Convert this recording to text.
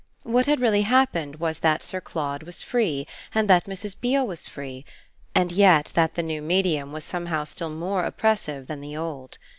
What had really happened was that Sir Claude was "free" and that Mrs. Beale was "free," and yet that the new medium was somehow still more oppressive than the old.